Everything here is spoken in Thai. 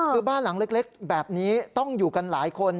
คือบ้านหลังเล็กแบบนี้ต้องอยู่กันหลายคน